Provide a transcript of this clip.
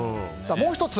もう１つ。